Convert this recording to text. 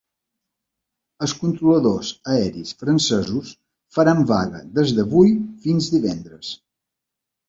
Els controladors aeris francesos faran vaga des d’avui fins divendres.